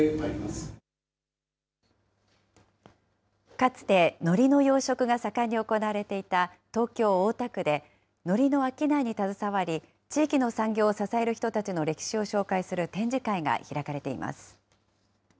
かつて、のりの養殖が盛んに行われていた東京・大田区でのりの商いに携わり、地域の産業を支える人たちの歴史を紹介する展示会が開かれています。